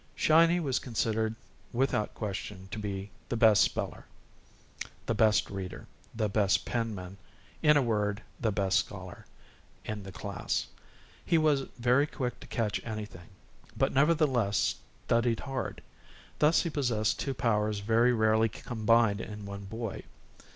"Shiny" was considered without question to be the best speller, the best reader, the best penman in a word, the best scholar, in the class. He was very quick to catch anything, but, nevertheless, studied hard; thus he possessed two powers very rarely combined in one boy.